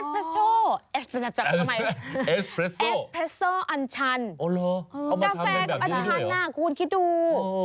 กาแฟกับอัญชันน่ะคุณคิดดู